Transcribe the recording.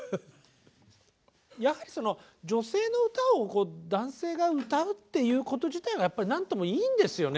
やはり女性の歌を男性が歌うっていうこと自体が何ともいいんですよね。